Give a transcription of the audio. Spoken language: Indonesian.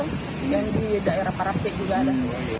yang di daerah para pedagang juga ada